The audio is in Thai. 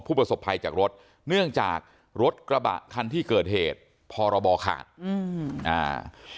ประสบภัยจากรถเนื่องจากรถกระบะคันที่เกิดเหตุพรบขาดอืมอ่า